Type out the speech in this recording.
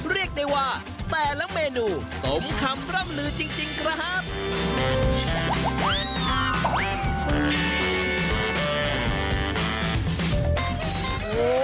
เรียกได้ว่าแต่ละเมนูสมคำร่ำลือจริงครับ